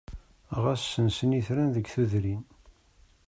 Ɣas ssensen itran deg tudrin.